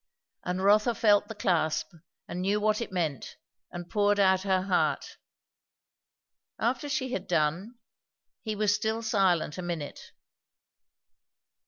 And Rotha felt the clasp and knew what it meant, and poured out her heart. After she had done, he was still silent a minute.